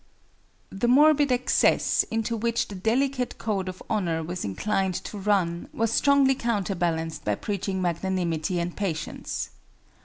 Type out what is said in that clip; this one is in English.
The morbid excess into which the delicate code of honor was inclined to run was strongly counterbalanced by preaching magnanimity and patience.